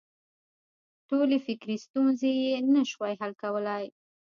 ټولې فکري ستونزې یې نه شوای حل کولای.